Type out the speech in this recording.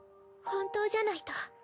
本当じゃないと。